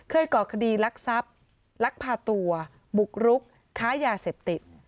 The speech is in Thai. ก่อคดีลักทรัพย์ลักพาตัวบุกรุกค้ายาเสพติด